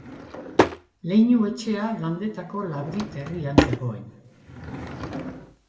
Leinu-etxea Landetako Labrit herrian zegoen.